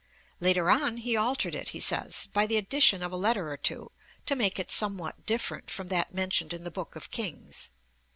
Later on he altered it, he says, 'by the addition of a letter or two to make it somewhat different from that mentioned in the Book of Kings' (Shalmaneser, II Kings, xvii. 3).